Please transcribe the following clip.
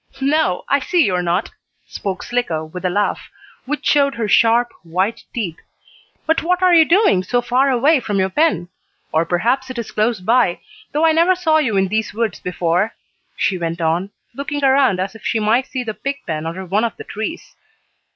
"No, I see you are not," spoke Slicko, with a laugh, which showed her sharp, white teeth. "But what are you doing so far away from your pen? Or, perhaps it is close by, though I never saw you in these woods before," she went on, looking around as if she might see the pig pen under one of the trees.